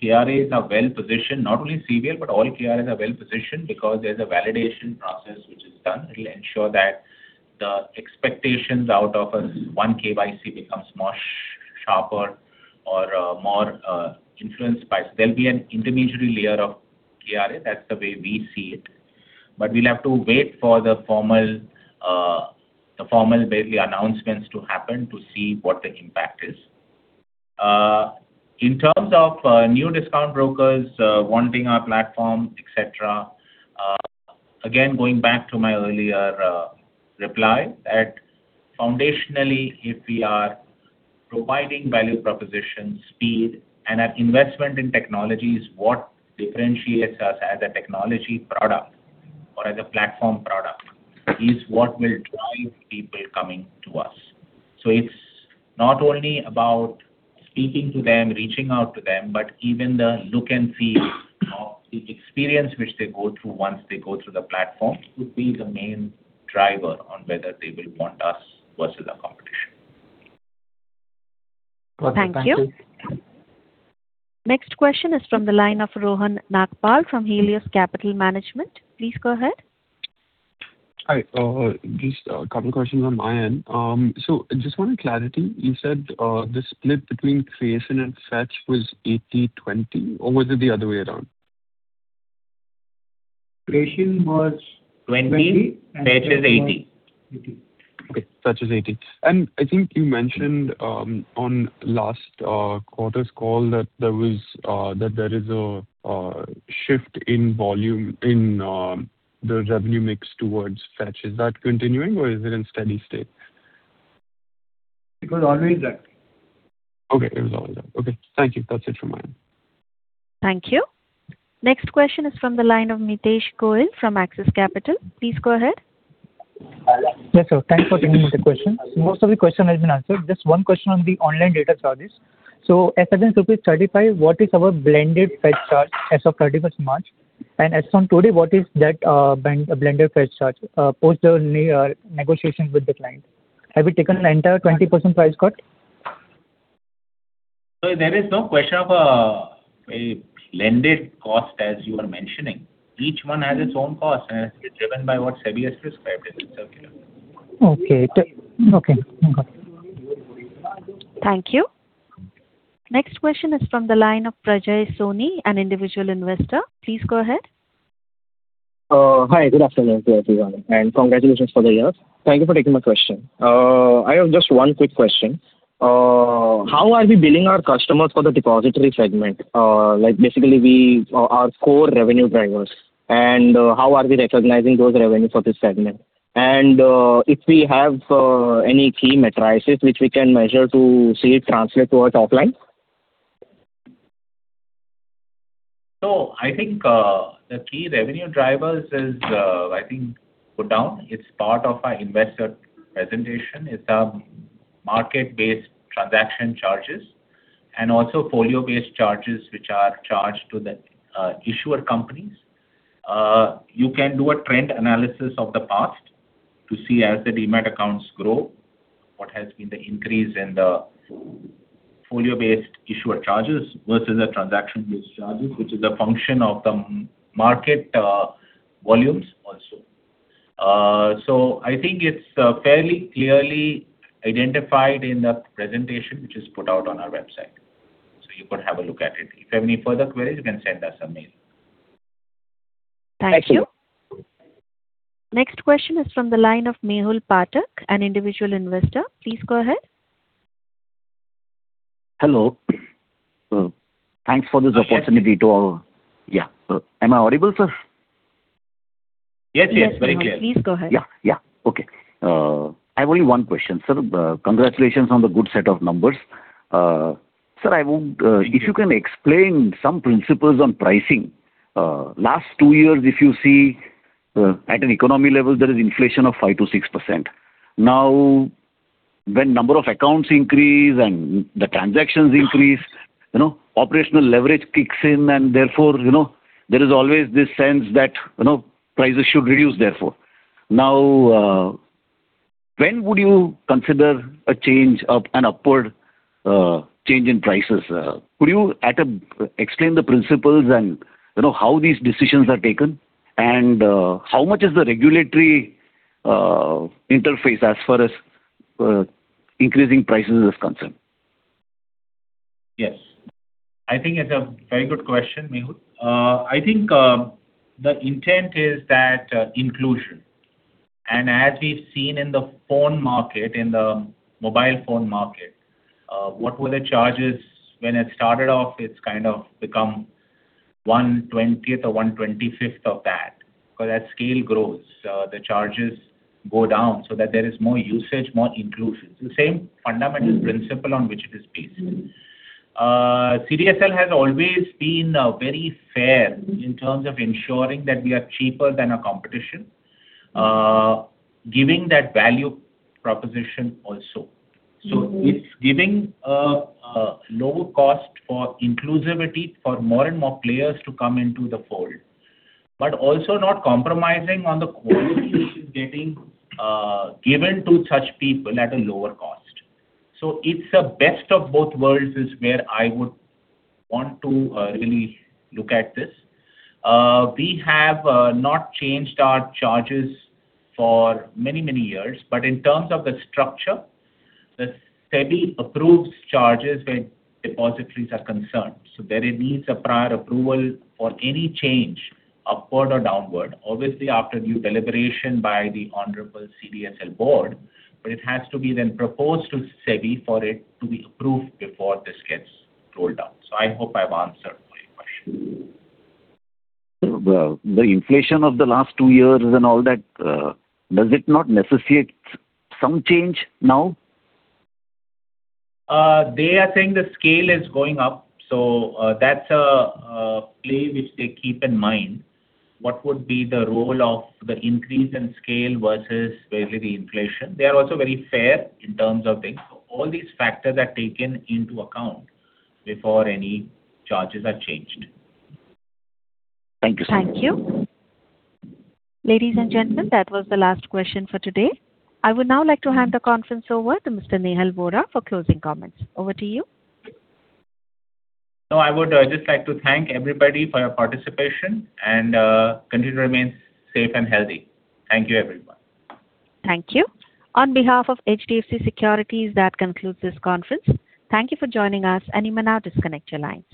Speaker 3: KRAs are well-positioned. Not only CVL, but all KRAs are well-positioned because there's a validation process which is done. It'll ensure that the expectations out of a one KYC becomes more sharper or more influenced by-- There'll be an intermediary layer of KRA. That's the way we see it. We'll have to wait for the formal, the formal barely announcements to happen to see what the impact is. In terms of new discount brokers wanting our platform, etcetera, again, going back to my earlier reply, that foundationally if we are providing value proposition, speed, and our investment in technology is what differentiates us as a technology product or as a platform product, is what will drive people coming to us. It's not only about speaking to them, reaching out to them, but even the look and feel of the experience which they go through once they go through the platform would be the main driver on whether they will want us versus the competition.
Speaker 1: Thank you.
Speaker 12: Thank you.
Speaker 1: Next question is from the line of Rohan Nagpal from Helios Capital Management. Please go ahead.
Speaker 13: Hi. Just a couple questions on my end. Just wanted clarity. You said the split between creation and fetch was 80%, 20%, or was it the other way around?
Speaker 5: Creation was-
Speaker 3: 20%. Fetch is 80%.
Speaker 5: 20% and fetch was 80%.
Speaker 13: Okay. Fetch is 80%. I think you mentioned on last quarter's call that there is a shift in volume in the revenue mix towards fetch. Is that continuing or is it in steady state?
Speaker 5: It was always that.
Speaker 13: Okay. It was always that. Okay. Thank you. That is it from my end.
Speaker 1: Thank you. Next question is from the line of Mitesh Gohil from Axis Capital. Please go ahead.
Speaker 14: Yes, sir. Thanks for taking my question. Most of the question has been answered. Just one question on the online data charges. As against INR 35, what is our blended fetch charge as of March 31st? As from today, what is that blended fetch charge post the negotiations with the client? Have you taken an entire 20% price cut?
Speaker 3: There is no question of a blended cost as you are mentioning. Each one has its own cost and it is driven by what SEBI has prescribed in the circular.
Speaker 14: Okay. Okay. Okay.
Speaker 1: Thank you. Next question is from the line of Prajay Soni, an individual investor. Please go ahead.
Speaker 15: Hi, good afternoon to everyone, and congratulations for the year. Thank you for taking my question. I have just one quick question. How are we billing our customers for the depository segment? like basically we, our core revenue drivers and how are we recognizing those revenue for this segment? If we have any key metrics which we can measure to see it translate to our top line?
Speaker 3: I think the key revenue drivers is, I think put down. It's part of our investor presentation. It's market-based transaction charges and also folio-based charges which are charged to the issuer companies. You can do a trend analysis of the past to see as the Demat accounts grow, what has been the increase in the folio-based issuer charges versus the transaction-based charges, which is a function of the market volumes also. I think it's fairly clearly identified in the presentation which is put out on our website. You could have a look at it. If you have any further queries, you can send us a mail.
Speaker 1: Thank you.
Speaker 15: Thank you.
Speaker 1: Next question is from the line of Mehul Pathak, an individual investor. Please go ahead.
Speaker 16: Hello. Thanks for this opportunity.
Speaker 3: Yes.
Speaker 16: Yeah. Am I audible, sir?
Speaker 3: Yes, yes, very clear.
Speaker 1: Yes, we can. Please go ahead.
Speaker 16: Yeah. Yeah. Okay. I have only 1 question, sir. Congratulations on the good set of numbers. Sir, I would, if you can explain some principles on pricing. Last two years, if you see, at an economy level, there is inflation of 5%-6%. When number of accounts increase and the transactions increase, you know, operational leverage kicks in and therefore, you know, there is always this sense that, you know, prices should reduce therefore. When would you consider a change up, an upward, change in prices? Could you explain the principles and, you know, how these decisions are taken, how much is the regulatory interface as far as increasing prices is concerned?
Speaker 3: Yes. I think it's a very good question, Mehul. I think, the intent is that, inclusion. As we've seen in the phone market, in the mobile phone market, what were the charges when it started off, it's kind of become 1/20th or 1/25th of that. As that scale grows, the charges go down so that there is more usage, more inclusion. It's the same fundamental principle on which it is based. CDSL has always been very fair in terms of ensuring that we are cheaper than our competition, giving that value proposition also. So it's giving, a lower cost for inclusivity for more and more players to come into the fold, but also not compromising on the quality which is getting, given to such people at a lower cost. It's a best of both worlds is where I would want to really look at this. We have not changed our charges for many, many years. In terms of the structure, the SEBI approves charges where depositories are concerned. There it needs a prior approval for any change upward or downward, obviously after due deliberation by the honorable CDSL Board, but it has to be then proposed to SEBI for it to be approved before this gets rolled out. I hope I've answered your question.
Speaker 16: The inflation of the last two years and all that, does it not necessitate some change now?
Speaker 3: They are saying the scale is going up. That's a play which they keep in mind. What would be the role of the increase in scale versus maybe the inflation? They are also very fair in terms of this. All these factors are taken into account before any charges are changed.
Speaker 16: Thank you, sir.
Speaker 1: Thank you. Ladies and gentlemen, that was the last question for today. I would now like to hand the conference over to Mr. Nehal Vora for closing comments. Over to you.
Speaker 3: I would just like to thank everybody for your participation, and continue to remain safe and healthy. Thank you everyone.
Speaker 1: Thank you. On behalf of HDFC Securities, that concludes this conference. Thank you for joining us, and you may now disconnect your line.